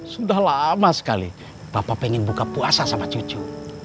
sudah lama sekali bapak pengen buka puasa sama cucu